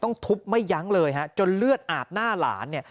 ถึงต้องทุบไม่ยั้งเลยจนเลือดอาบหน้าหลาน